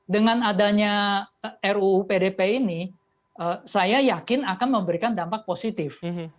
dengan adanya ruu pdp ini saya yakin akan memberikan dampak positif